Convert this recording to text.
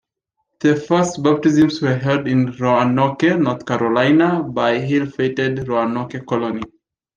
The first baptisms were held in Roanoke, North Carolina, by the ill-fated Roanoke colony.